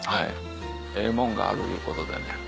ええもんがあるいうことでね。